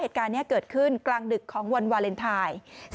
เหตุการณ์นี้เกิดขึ้นกลางดึกของวันวาเลนไทย